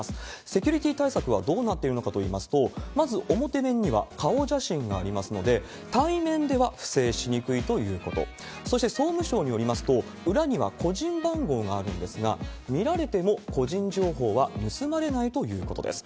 セキュリティー対策はどうなっているのかといいますと、まず表面には顔写真がありますので、対面では不正しにくいということ、そして総務省によりますと、裏には個人番号があるんですが、見られても個人情報は盗まれないということです。